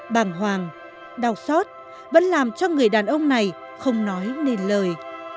bàng hoàng đau xót vẫn làm cho người đàn ông này không nói nền lời